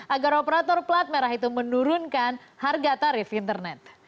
agar operator plat merah itu menurunkan harga tarif internet